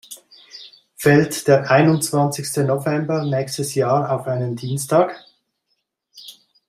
Fällt der einundzwanzigste November nächstes Jahr auf einen Dienstag?